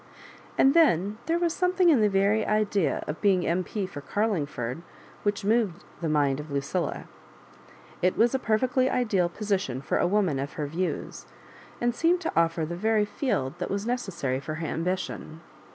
And then there was something in the very idea of being M.P. for Carlingford which moved the mind of Lucilla. It was a perfectly ideal position for a woman of her views, and seemed to offer the very field that was necessary for her ambition.